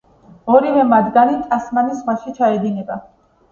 ორივე მათგანი ტასმანის ზღვაში ჩაედინება.